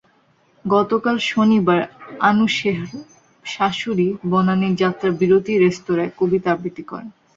গতকাল শনিবার আনুশেহর শাশুড়ি বনানীর যাত্রা বিরতি রেস্তোরাঁয় কবিতা আবৃত্তি করেন।